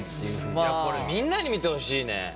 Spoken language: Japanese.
いやこれみんなに見てほしいね！